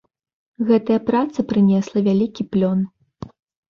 Гэтая праца прынесла вялікі плён.